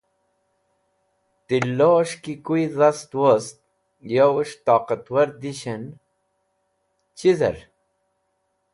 Tilos̃h ki kuyẽ dhast wost yos̃h toqatwar dishẽn. Chizẽr?